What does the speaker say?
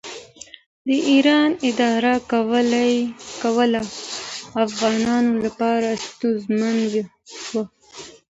د ایران اداره کول افغانانو لپاره ستونزمن و.